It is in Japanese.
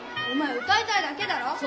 お前歌いたいだけだろ！